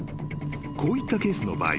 ［こういったケースの場合